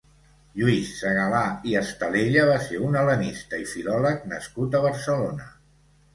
Lluís Segalà i Estalella va ser un hel·lenista i filòleg nascut a Barcelona.